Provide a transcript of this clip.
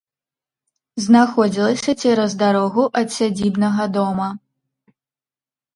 Знаходзілася цераз дарогу ад сядзібнага дома.